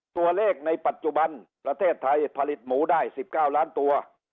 ตัวเลขในปัจจุบันประเทศไทยผลิตหมูได้๑๙ล้านตัว